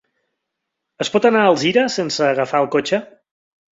Es pot anar a Alzira sense agafar el cotxe?